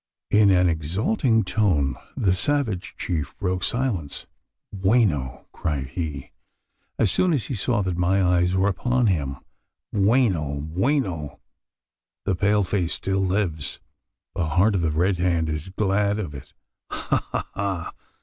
In an exulting tone, the savage chief broke silence. "Bueno!" cried he, as soon as he saw that my eyes were upon him "bueno, bueno! The pale face still lives! the heart of the Red Hand is glad of it ha, ha, ha!